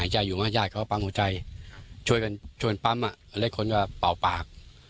ใจเขาก็ปั๊มเขาใจช่วยกันปั๊มแล้วเล็กค้นปล่าปาก